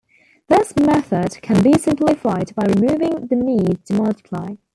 This method can be simplified by removing the need to multiply.